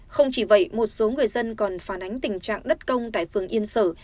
không chỉ vậy một số người dân còn phản ánh tình trạng đất công tại phường yên sở